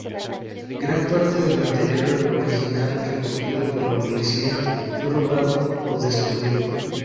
Gran parte del material original recogido por la policía fue robado o destruido.